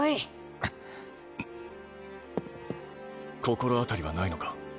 心当たりはないのか？